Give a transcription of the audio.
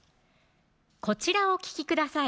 こちらをお聴きください